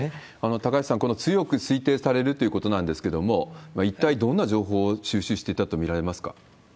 高橋さん、この強く推定されるということなんですけれども、一体どんな情報を収集してたと見られますか？